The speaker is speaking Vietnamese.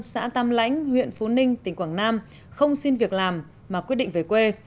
xã tam lãnh huyện phú ninh tỉnh quảng nam không xin việc làm mà quyết định về quê